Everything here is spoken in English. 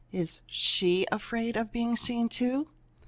Is she afraid of being seen, too?"